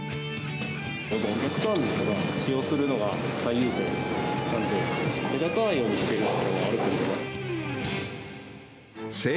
お客さんの使用するのが最優先なんで、目立たないようにしているのはあると思います。